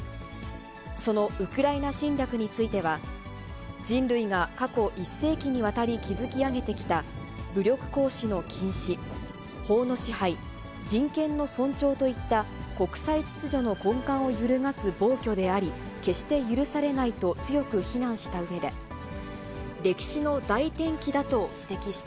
そのウクライナ侵略については、人類が過去１世紀にわたり築き上げてきた武力行使の禁止、法の支配、人権の尊重といった国際秩序の根幹を揺るがす暴挙であり、決して許されないと強く非難したうえで、歴史の大転機だと指摘し